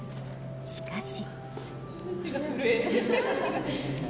しかし。